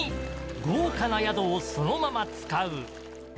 豪華な宿をそのまま使う。